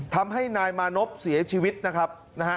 ทำให้นายมานพเสียชีวิตนะครับนะฮะ